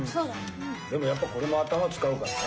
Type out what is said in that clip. でもやっぱこれも頭使うからね。